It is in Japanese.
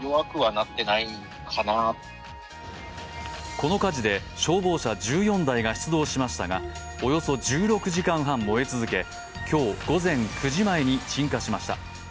この火事で、消防車１４台が出動しましたがおよそ１６時間半、燃え続け、今日午前９時前に鎮火しました。